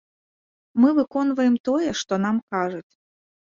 Мы выконваем тое, што нам кажуць.